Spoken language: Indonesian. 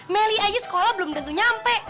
melly aja sekolah belum tentu nyampe